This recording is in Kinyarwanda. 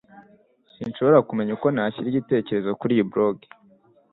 Sinshobora kumenya uko nashyira igitekerezo kuriyi blog